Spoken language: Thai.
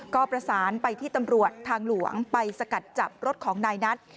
ก็ประสานไปที่ตำรวจทางหลวงไปสกัดจับรถของนายนัท